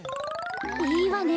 いいわね